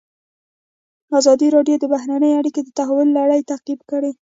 ازادي راډیو د بهرنۍ اړیکې د تحول لړۍ تعقیب کړې.